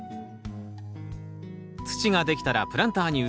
土が出来たらプランターに移します。